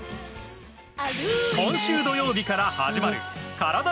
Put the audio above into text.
今週土曜日から始まるカラダ